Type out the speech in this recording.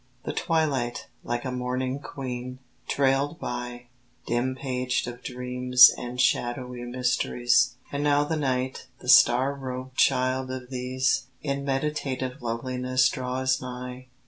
The twilight, like a mourning queen, trailed by, Dim paged of dreams and shadowy mysteries; And now the night, the star robed child of these, In meditative loveliness draws nigh.